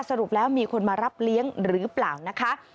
สรุปแล้วมีคนมารับเลี้ยงหรือเปล่านะคะ